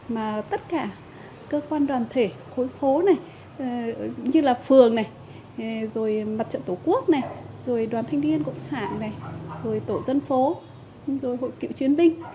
mà tất cả cơ quan đoàn thể khối phố này như là phường này rồi mặt trận tổ quốc này rồi đoàn thanh niên cộng sản này rồi tổ dân phố rồi hội cựu chiến binh